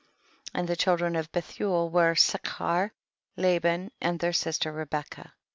26. And the children of Bethuel were Sechar, Laban and their sister Rebecca.